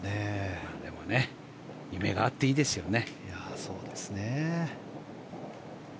でも夢があっていいですよね。